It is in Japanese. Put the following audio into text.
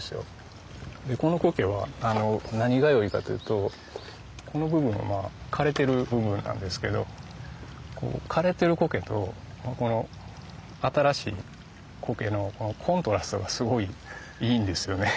このコケは何がよいかというとこの部分は枯れてる部分なんですけど枯れてるコケとこの新しいコケのコントラストがすごいいいんですよね。